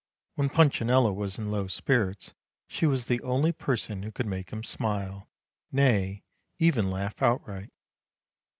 When Punchinello was in low spirits she was the only person who could make him smile, nay, even laugh outright.